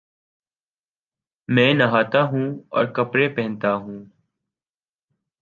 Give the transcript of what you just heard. میں نہاتاہوں اور کپڑے پہنتا ہوں